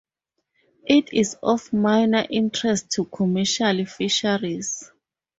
It is of minor interest to commercial fisheries.